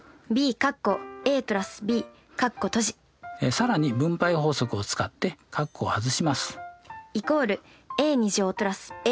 更に分配法則を使って括弧を外します。